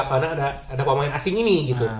karena ada pemain asing ini gitu